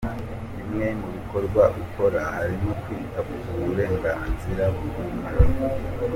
Bimwe mu bikorwa ukora harimo kwita ku burenganzira bw’umwana.